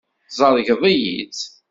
Tzergeḍ-iyi-tt.